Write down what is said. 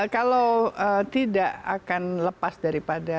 kalau tidak akan lepas dari pandang